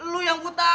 lo yang buta